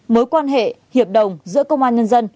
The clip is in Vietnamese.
mối quan hệ hiệp đồng giữa công an nhân dân